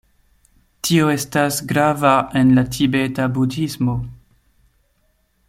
Tio estas grava en la Tibeta Budhismo.